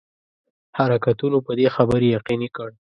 حرکتونو په دې خبري یقیني کړ.